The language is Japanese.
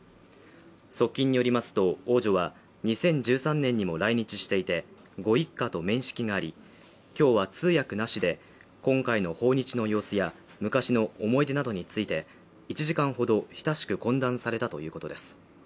側近によりますと王女は２０１３年にも来日していてご一家とも面識があり、今日は通訳なしで今回の訪日の様子や昔の思い出などについて１時間ほど親しく懇談されたということです。